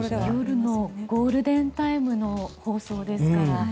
夜のゴールデンタイムの放送ですから。